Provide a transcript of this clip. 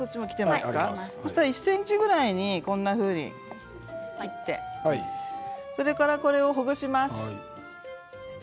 １ｃｍぐらいこんなふうに切ってそれからこれをほぐします。